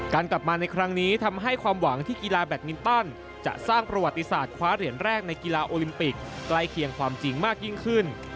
กลับมาในครั้งนี้ทำให้ความหวังที่กีฬาแบตมินตันจะสร้างประวัติศาสตร์คว้าเหรียญแรกในกีฬาโอลิมปิกใกล้เคียงความจริงมากยิ่งขึ้น